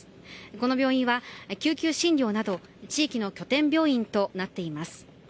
この病院は救急診療など地域の拠点病院となっています。